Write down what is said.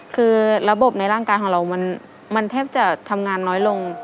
คือระบบในร่างกายของเรามันแทบจะทำงานน้อยลง